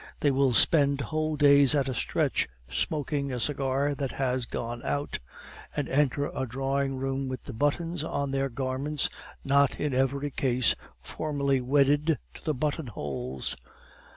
They will spend whole days at a stretch, smoking a cigar that has gone out, and enter a drawing room with the buttons on their garments not in every case formally wedded to the button holes.